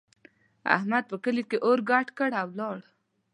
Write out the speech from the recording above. احمد په کلي کې اور ګډ کړ او ولاړ.